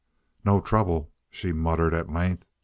"No trouble," she muttered at length.